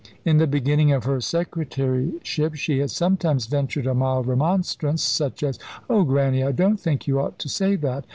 In the beginning of her secretaryship she had sometimes ventured a mild remonstrance, such as, "Oh, Grannie, I don't think you ought to say that.